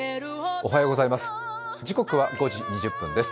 おはようございます。